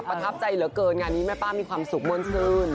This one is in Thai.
ประทับใจเหลือเกินงานนี้แม่ป้ามีความสุขม่วนชื่น